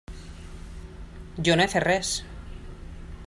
Jo no he fet res.